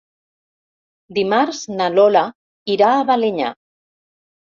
Dimarts na Lola irà a Balenyà.